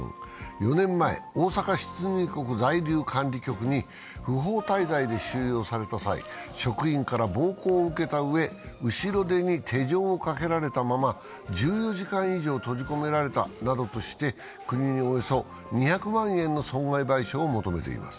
４年前、大阪出入国在留管理局に不法滞在で収容された際、職員から暴行を受けたうえ、後ろ手に手錠をかけられたまま、１４時間以上閉じ込められたなどとして国におよそ２００万円の損害賠償を求めています。